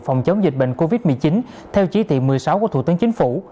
phòng chống dịch bệnh covid một mươi chín theo chí tị một mươi sáu của thủ tướng chính phủ